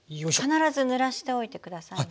必ずぬらしておいて下さいね。